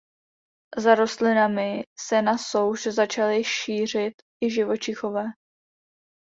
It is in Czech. Za rostlinami se na souš začaly šířit i živočichové.